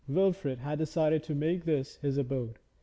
Wilfrid had decided to make this his abode.